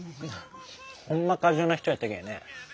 ほんま過剰な人やったけぇね。